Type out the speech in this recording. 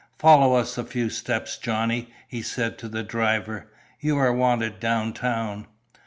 "Follow us a few steps, Johnny," he said to the driver. "You are wanted down town."